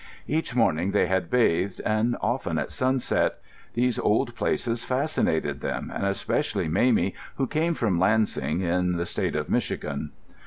Each morning they had bathed, and often at sunset; these old places fascinated them, and especially Mamie, who came from Lansing, in the State of Michigan.